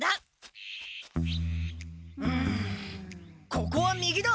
ここは右だ！